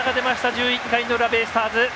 １１回の裏、ベイスターズ。